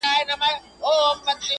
• څو تر څو به دوې هواوي او یو بام وي,